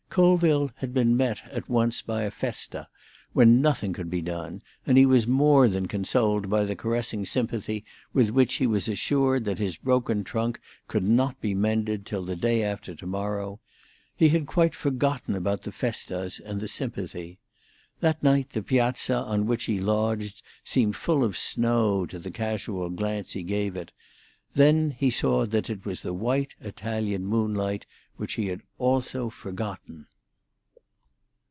Colville had been met at once by a festa, when nothing could be done, and he was more than consoled by the caressing sympathy with which he was assured that his broken trunk could not be mended till the day after to morrow; he had quite forgotten about the festas and the sympathy. That night the piazza on which he lodged seemed full of snow to the casual glance he gave it; then he saw that it was the white Italian moonlight, which he had also forgotten....